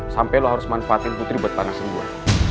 sampai lo harus manfaatin putri bertanasan gue